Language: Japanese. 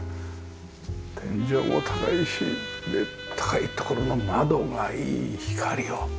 天井も高いしで高いところの窓がいい光を。